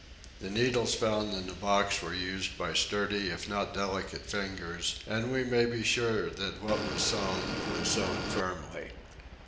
The needles found in the box were used by sturdy if not delicate fingers, and we may be sure that what was sewn was sewn firmly.